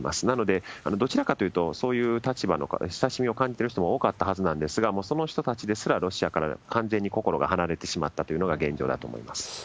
なので、どちらかというと、そういう立場の親しみを感じている方も多かったはずなんですが、その人たちですら、ロシアから完全に心が離れてしまったというのが現状だと思います。